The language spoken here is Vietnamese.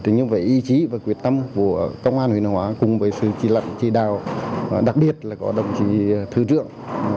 nhưng với ý chí và quyết tâm của công an huyền hóa cùng với sự chỉ đạo đặc biệt là có đồng chí thư trưởng